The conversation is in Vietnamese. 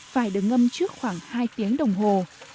phải được ngâm trước khoảng hai tiếng đồng hồ